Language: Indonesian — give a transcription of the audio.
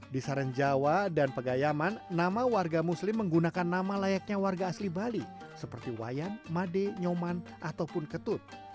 di sarenjawa dan pegayaman nama warga muslim menggunakan nama layaknya warga asli bali seperti wayan made nyoman ataupun ketut